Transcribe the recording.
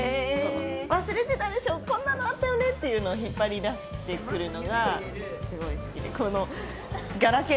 忘れてたでしょ、こんなのあったよねっていうのを引っ張りだしてくるのが、すごい好きで。